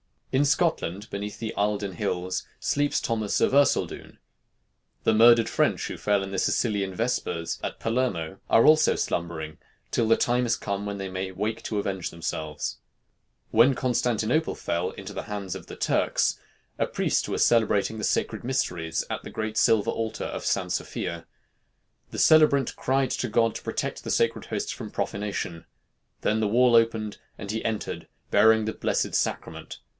In Scotland, beneath the Eilden hills, sleeps Thomas of Erceldoune; the murdered French who fell in the Sicilian Vespers at Palermo are also slumbering till the time is come when they may wake to avenge themselves. When Constantinople fell into the hands of the Turks, a priest was celebrating the sacred mysteries at the great silver altar of St. Sophia. The celebrant cried to God to protect the sacred host from profanation. Then the wall opened, and he entered, bearing the Blessed Sacrament.